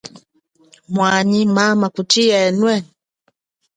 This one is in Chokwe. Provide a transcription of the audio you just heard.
Mwanyi mama kuchi yenwe?